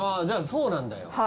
じゃあそうなんだよ。